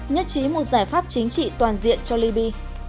nhất trí một giải pháp chính trị toàn diện cho libya